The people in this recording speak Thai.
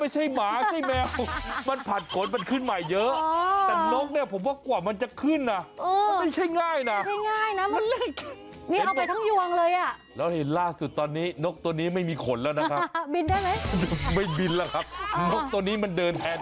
จริงด้วยนะบ้าง